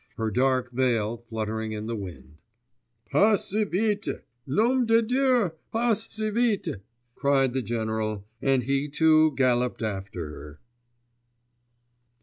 Her dark veil fluttered in the wind.... 'Pas si vite! Nom de Dieu! pas si vite!' cried the general, and he too galloped after her.